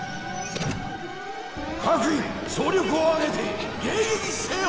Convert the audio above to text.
「各員総力を挙げて迎撃せよ！」